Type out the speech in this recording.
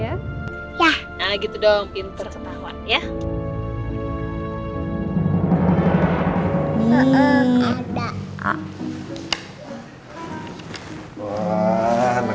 nah gitu dong pinter ketawa ya